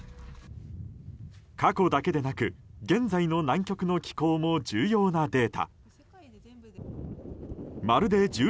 過去だけでなく、現在の南極の気候も重要なデータ。